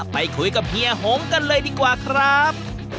ไปคุยกับเฮียหงกันเลยดีกว่าครับ